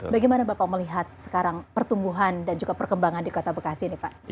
bagaimana bapak melihat sekarang pertumbuhan dan juga perkembangan di kota bekasi ini pak